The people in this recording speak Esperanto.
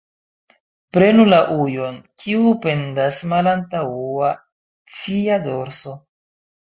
Prenu la ujon, kiu pendas malantaŭ cia dorso.